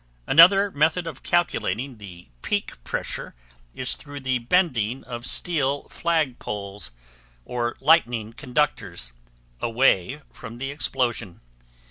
Another method of calculating the peak pressure is through the bending of steel flagpoles, or lightning conductors, away from the explosion.